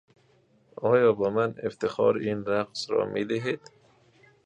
آیا به من افتخار این رقص را میدهید؟